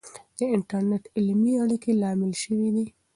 د انټرنیټ د علمي اړیکو لامل سوی دی.